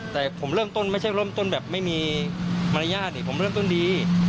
แต่ผมเริ่มต้นไม่ใช่เริ่มต้นแบบไม่มีมารยาทผมเริ่มต้นดี